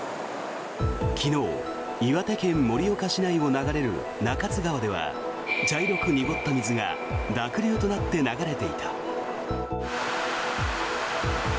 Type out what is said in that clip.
昨日、岩手県盛岡市内を流れる中津川では茶色く濁った水が濁流となって流れていた。